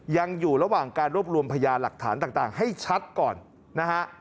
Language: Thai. ยังอยู่ระหว่างการรวบรวมพยาหลักฐานต่างให้ชัดก่อนนะฮะ